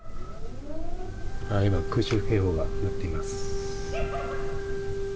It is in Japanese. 今、空襲警報が鳴っています。